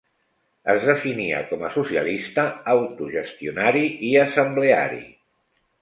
Es definia com a socialista, autogestionari i assembleari.